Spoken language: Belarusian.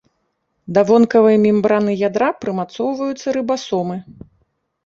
Да вонкавай мембраны ядра прымацоўваюцца рыбасомы.